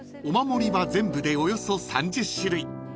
［お守りは全部でおよそ３０種類］